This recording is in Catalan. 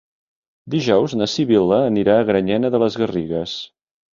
Dijous na Sibil·la anirà a Granyena de les Garrigues.